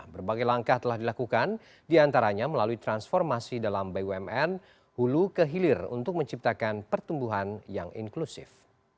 berbagai langkah telah dilakukan diantaranya melalui transformasi dalam bumn hulu ke hilir untuk menciptakan pertumbuhan yang inklusif